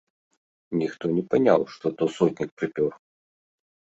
Ніхто не паняў, што то сотнік прыпёр!